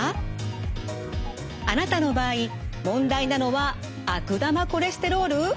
あなたの場合問題なのは悪玉コレステロール？